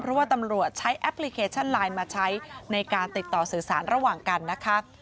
เพราะว่าตำรวจใช้แอปพลิเคชันไลน์มาใช้ในการติดต่อสื่อสารระหว่างกันนะคะ